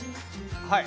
はい。